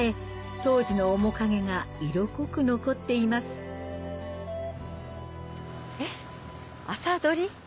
当時の面影が色濃く残っていますえっ朝どり？